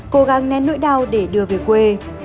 cố gắng nén nỗi đau để đưa về quê